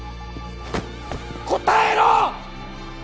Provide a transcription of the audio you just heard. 答えろ！